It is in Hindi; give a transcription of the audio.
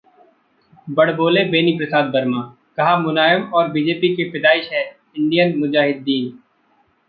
'बड़बोले' बेनी प्रसाद वर्मा, कहा- मुलायम और बीजेपी की पैदाइश है इंडियन मुजाहिद्दीन